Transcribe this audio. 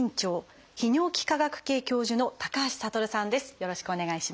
よろしくお願いします。